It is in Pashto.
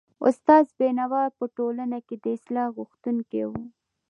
استاد بينوا په ټولنه کي د اصلاح غوښتونکی و.